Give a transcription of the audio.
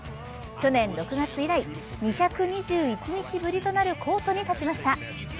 去年６月以来、２２１日ぶりとなるコートに立ちました。